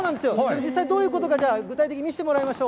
実際どういうことか、具体的に見せてもらいましょう。